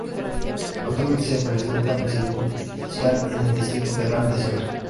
Actualmente es representante presidencial en el Distrito Federal de Siberia.